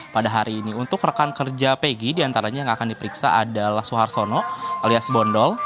pada hari ini untuk rekan kerja pegi diantaranya yang akan diperiksa adalah suhartono alias bondol